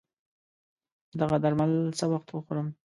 دغه درمل څه وخت وخورم